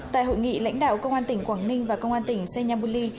tại hội nghị lãnh đạo công an tỉnh quảng ninh và công an tỉnh senyabuli